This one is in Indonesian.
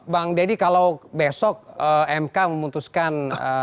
bang deddy kalau besok mk memutuskan